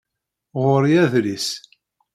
Ɣer-i adlis.